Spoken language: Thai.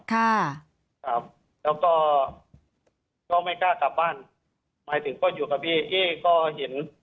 ครับแล้วก็ก็ไม่กล้ากลับบ้านหมายถึงก็อยู่กับพี่พี่ก็เห็น